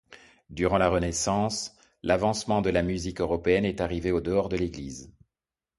Durant la renaissance, l'avancement de la musique européenne est arrivée au dehors de l'église.